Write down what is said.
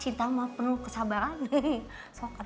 cinta mah perlu kesabaran deh